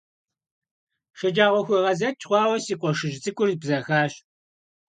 ШэджагъуэхуегъэзэкӀ хъуауэ си къуэшыжь цӀыкӀур бзэхащ.